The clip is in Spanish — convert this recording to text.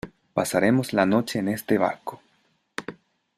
pasaremos la noche en este barco.